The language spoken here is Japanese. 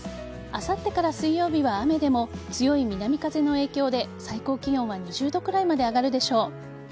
あさってから水曜日は雨でも強い南風の影響で最高気温は２０度くらいまで上がるでしょう。